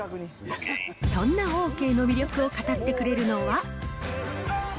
そんなオーケーの魅力を語ってくれるのは。